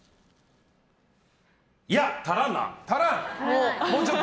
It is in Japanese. いや、足らんな！